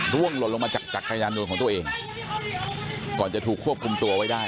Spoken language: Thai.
หล่นลงมาจากจักรยานยนต์ของตัวเองก่อนจะถูกควบคุมตัวไว้ได้